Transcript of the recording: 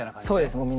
そうです。